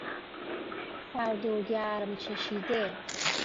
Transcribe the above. سردوگرم چشیده